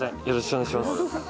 よろしくお願いします。